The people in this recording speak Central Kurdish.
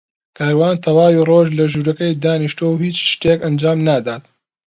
کاروان تەواوی ڕۆژ لە ژوورەکەی دانیشتووە و هیچ شتێک ئەنجام نادات.